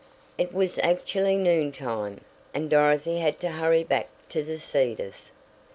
It was actually noon time, and Dorothy had to hurry back to The Cedars.